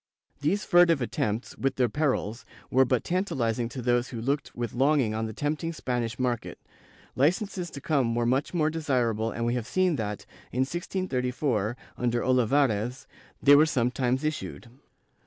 ^ These furtive attempts, with their perils, were but tantalizing to those who looked with longing on the tempting Spanish market; licences to come were much more desirable and we have seen that, in 1634, under Olivares, they were sometimes issued.